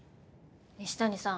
西谷さん